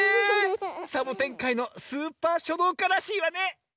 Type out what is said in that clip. サボテンかいのスーパーしょどうからしいわね！